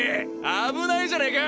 危ないじゃねぇか！